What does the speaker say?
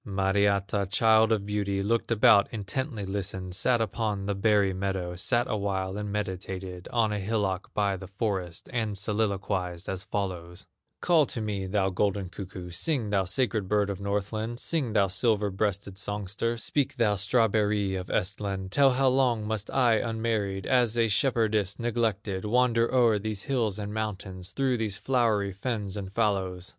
Mariatta, child of beauty, Looked about, intently listened, Sat upon the berry meadow, Sat awhile, and meditated On a hillock by the forest, And soliloquized as follows: "Call to me, thou golden cuckoo, Sing, thou sacred bird of Northland, Sing, thou silver breasted songster, Speak, thou strawberry of Ehstland, Tell how long must I unmarried, As a shepherdess neglected, Wander o'er these hills and mountains, Through these flowery fens and fallows.